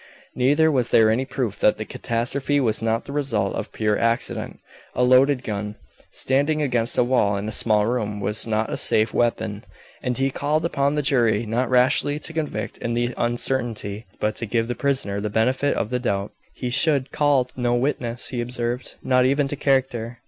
Neither was there any proof that the catastrophe was not the result of pure accident. A loaded gun, standing against a wall in a small room, was not a safe weapon, and he called upon the jury not rashly to convict in the uncertainty, but to give the prisoner the benefit of the doubt. He should call no witnesses, he observed, not even to character.